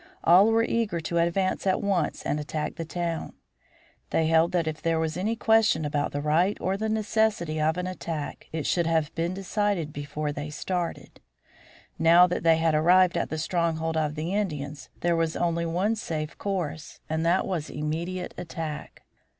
All were eager to advance at once and attack the town. They held that if there was any question about the right or the necessity of an attack it should have been decided before they started; now that they had arrived at the stronghold of the Indians there was only one safe course, and that was immediate attack.